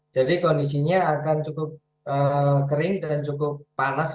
jadi kondisinya akan cukup kering dan cukup panas